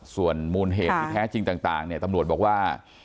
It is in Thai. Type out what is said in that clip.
ส่วนมูลเหตุแท้จริงต่างตำรวจบอกว่า